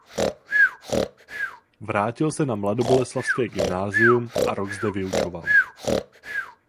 Vrátil se na mladoboleslavské gymnázium a rok zde vyučoval.